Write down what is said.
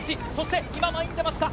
今、前に出ました。